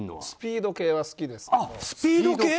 スピード系は好きですけど。